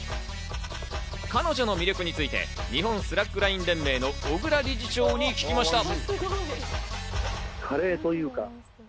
彼女の魅力について日本スラックライン連盟の小倉理事長に聞きました。